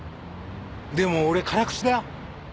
でも俺辛口だよ。